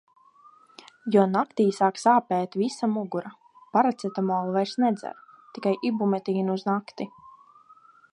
Jo naktī sāk sāpēt visa mugura. Paracetamolu vairs nedzeru, tikai Ibumetīnu uz nakti.